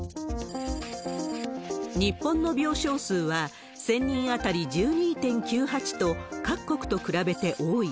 日本の病床数は、１０００人当たり１２．９８と、各国と比べて多い。